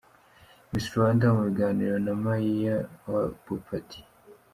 Miss Rwanda mu biganiro na Mayor wa Boppat.